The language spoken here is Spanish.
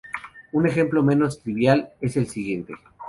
Un ejemplo menos trivial es el siguiente.